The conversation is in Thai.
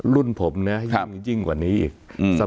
รุ่นผมนะครับยิ่งกว่านี้อีกหือ